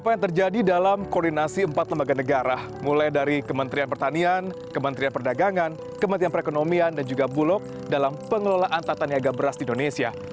pengenasi empat lembaga negara mulai dari kementerian pertanian kementerian perdagangan kementerian perekonomian dan juga bulog dalam pengelolaan tata niaga beras di indonesia